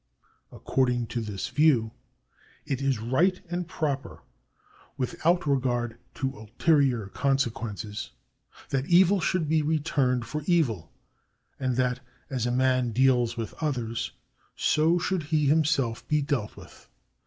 According to this view, it is right and proper, without regard to ulterior consequences, that evil should be returned for evil, and that as a man deals with others so should he himself be dealt with.